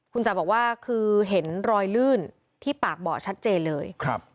คุณจ๋าบอกว่าคือเห็นรอยลื่นที่ปากเบาะชัดเจนเลย